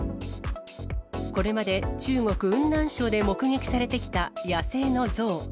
これまで中国・雲南省で目撃されてきた野生のゾウ。